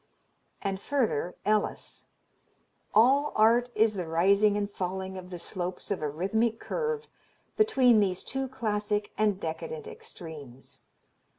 And further, Ellis: "All art is the rising and falling of the slopes of a rhythmic curve between these two classic and decadent extremes.